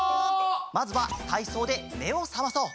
まずはたいそうでめをさまそう。